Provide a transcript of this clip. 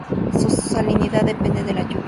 Su salinidad depende de la lluvia.